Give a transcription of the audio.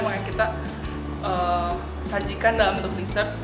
makanya kita sajikan dalam bentuk dessert